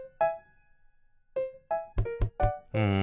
うん。